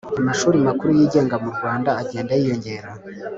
Amashuri makuru y’igenga mu Rwanda agenda yiyogera